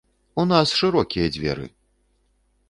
У нас шырокія дзверы!